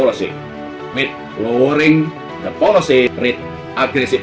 dengan menurunkan harga polisi dengan agresif